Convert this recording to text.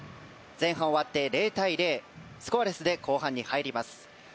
前半終わって０対０スコアレスで後半に入ります。